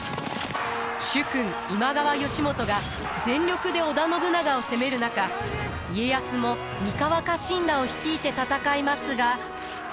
主君今川義元が全力で織田信長を攻める中家康も三河家臣団を率いて戦いますが。